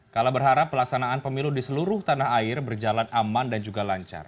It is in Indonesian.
kala berharap pelaksanaan pemilu di seluruh tanah air berjalan aman dan juga lancar